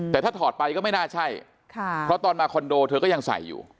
แต่ถ้าถอดไปก็ไม่น่าใช่ค่ะเพราะตอนมาคอนโดเธอก็ยังใส่อยู่